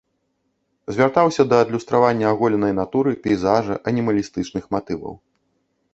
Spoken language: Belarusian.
Звяртаўся да адлюстравання аголенай натуры, пейзажа, анімалістычных матываў.